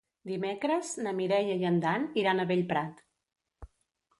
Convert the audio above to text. Dimecres na Mireia i en Dan iran a Bellprat.